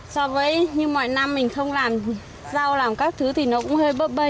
so với như mọi năm mình không làm rau làm các thứ thì nó cũng hơi bớt bay